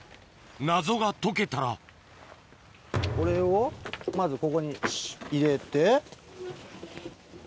謎が解けたらこれをまずここに入れて通ります？